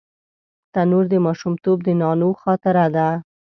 تنور د ماشومتوب د نانو خاطره ده